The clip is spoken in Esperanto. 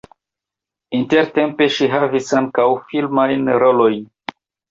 Intertempe ŝi havis ankaŭ filmajn rolojn.